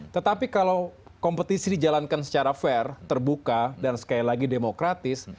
tetapi kalau kompetisi dijalankan secara fair terbuka dan sekali lagi demokratis